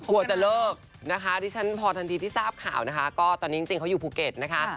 กลัวจะเลิกนะคะดิฉันพอทันทีที่ทราบข่าวนะคะก็ตอนนี้จริงเขาอยู่ภูเก็ตนะคะ